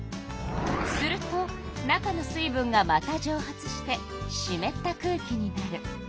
すると中の水分がまたじょう発してしめった空気になる。